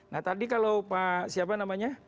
nah tadi kalau pak siapa namanya